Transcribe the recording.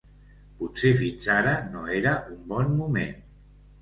Potser fins ara no era un bon moment.